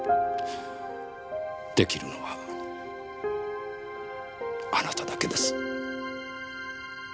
できるのはあなただけです。